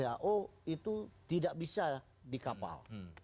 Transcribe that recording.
who itu tidak bisa di kapal